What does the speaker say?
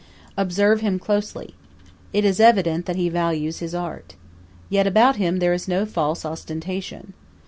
Observe him closely. It is evident that he values his art. Yet about him there is no false ostentation.